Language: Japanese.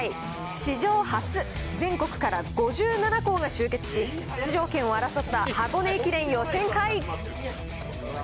史上初、全国から５７校が集結し、出場権を争った箱根駅伝予選会。